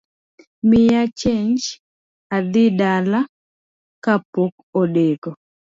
Miya chenj adhi dala kapok odeko